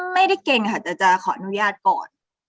เก่งค่ะแต่จะขออนุญาตก่อน